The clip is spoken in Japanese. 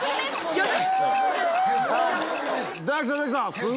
よし！